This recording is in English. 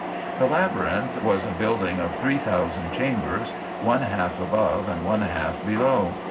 The Labyrinth was a building of 3,000 chambers, one half above and one half below.